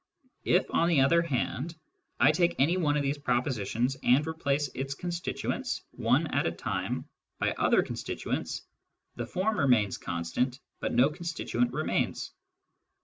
If, on the other hand, I take any one of these propositions and replace its constituents, one at a time, by other con stituents, the form remains constant, but no constituent remains.